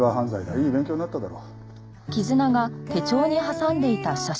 いい勉強になっただろ。